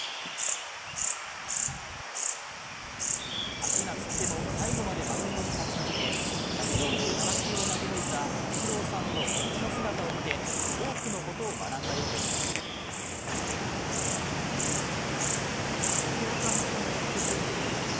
足がつっても最後までマウンドにたち続け１４７球を投げ抜いたイチローさんの本気の姿を見て多くのことを学んだようです。